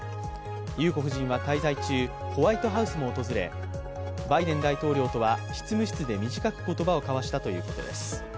裕子夫人は滞在中、ホワイトハウスも訪れ、バイデン大統領とは執務室で短く言葉を交わしたということです。